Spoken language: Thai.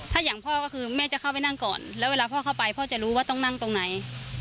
ถ้าอย่างพ่อก็คือแม่จะเข้าไปนั่งก่อนแล้วเวลาพ่อเข้าไปพ่อจะรู้ว่าต้องนั่งตรงไหน